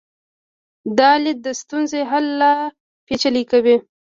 دا لید د ستونزې حل لا پیچلی کوي.